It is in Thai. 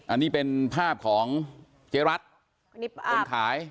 อันนี้เป็นภาพของเจ๊รัฐคนขาย